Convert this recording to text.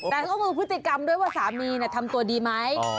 แต่ต้องดูพฤติกรรมด้วยว่าสามีทำตัวดีไหม